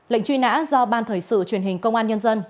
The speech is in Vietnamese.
lệnh truy nã do ban thời sự truyền hình công an nhân dân